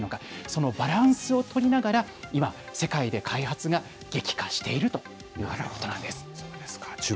そのバランスを取りながら、今、世界で開発が激化しているというそうですか。